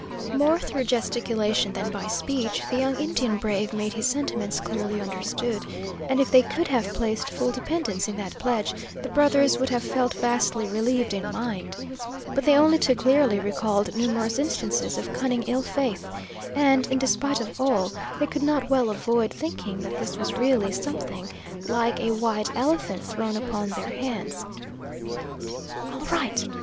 More through gesticulation than by speech, the young Indian brave made his sentiments clearly understood, and if they could have placed full dependence in that pledge, the brothers would have felt vastly relieved in mind. But they only too clearly recalled numerous instances of cunning ill faith, and, in despite of all, they could not well avoid thinking that this was really something like a white elephant thrown upon their hands. "All right.